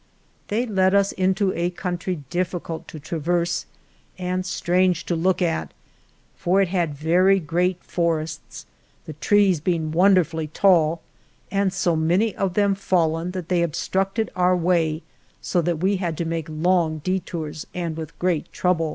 These led us into a country diffi cult to traverse and strange to look at, for it had very great forests, the trees being won derfully tall and so many of them fallen that they obstructed our way so that we had to make long detours and with great trouble.